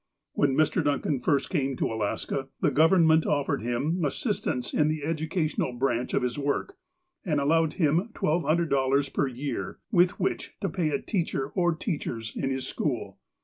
When Mr. Duncan first came to Alaska, the Govern ment offered him assistance in the educational branch of his work, and allowed him $1,200 per year, with which to pay a teacher or teachers in his school.